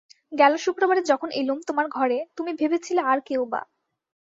গেল শুক্রবারে যখন এলুম তোমার ঘরে, তুমি ভেবেছিলে আর-কেউ বা।